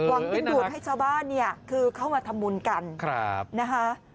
วังดินดูดให้ชาวบ้านเนี่ยคือเข้ามาทำรูปปั้นกันนะฮะ